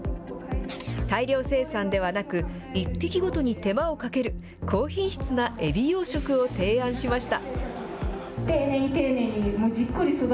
大量生産ではなく、１匹ごとに手間をかける、高品質なエビ養殖を提案しました。